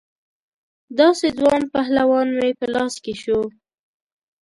داسې ځوان پهلوان مې په لاس کې شو.